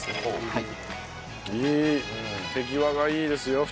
はい。